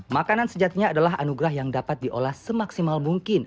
makanan sejatinya adalah anugerah yang dapat diolah semaksimal mungkin